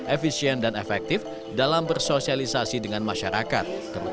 efisien dan efektif dalam bersosialisasi dengan masyarakat